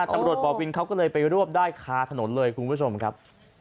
ตำรวจปราบรามยาเสพติดเขาก็เลยไปรวมได้ค้าถนนเลยคุณผู้ชมครับ